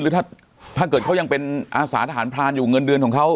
ถ้าเกิดเขายังเป็นอาสาทหารพรานอยู่เงินเดือนของเขา